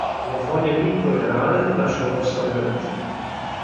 Le foglie piccole e rade lasciano passare la luce.